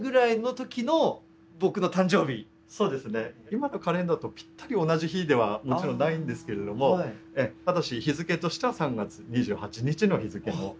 今のカレンダーとぴったり同じ日ではもちろんないんですけれどもただし日付としては３月２８日の日付の。